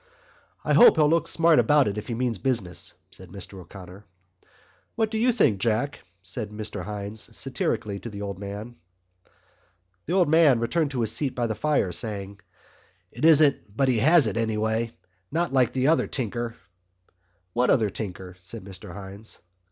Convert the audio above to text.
"I hope he'll look smart about it if he means business," said Mr O'Connor. "What do you think, Jack?" said Mr Hynes satirically to the old man. The old man returned to his seat by the fire, saying: "It isn't but he has it, anyway. Not like the other tinker." "What other tinker?" said Mr Hynes.